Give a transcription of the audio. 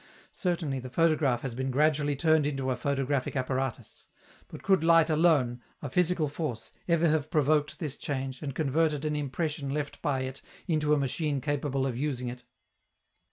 Certainly the photograph has been gradually turned into a photographic apparatus; but could light alone, a physical force, ever have provoked this change, and converted an impression left by it into a machine capable of using it?